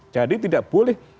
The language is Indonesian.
jadi tidak boleh